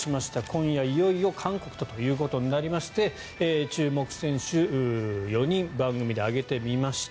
今夜いよいよ韓国とということになりまして注目選手、４人番組で挙げてみました。